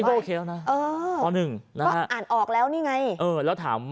อันนี้ก็โอเคนะป๑นะฮะค่ะอ่านออกแล้วนี่ไง